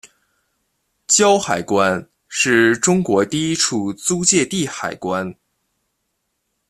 胶海关是中国第一处租借地海关。